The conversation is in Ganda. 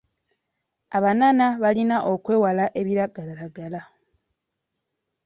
Abanana balina okwewala ebiragalalagala.